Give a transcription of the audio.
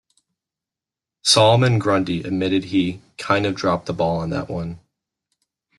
Solomon Grundy admitted he "kinda dropped the ball on that one".